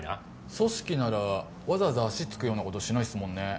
組織ならわざわざ足つくようなことしないっすもんね。